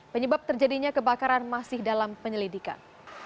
penyebab terjadinya kebakaran masih dalam penyelidikan